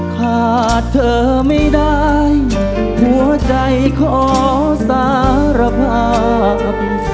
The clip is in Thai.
ขาดเธอไม่ได้หัวใจขอสารภาพ